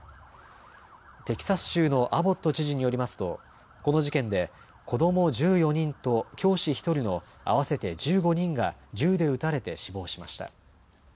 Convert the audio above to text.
テキサス州のアボット知事によりますとこの事件で子ども１４人と教師１人の合わせて１５人が銃で撃たれて死亡しました。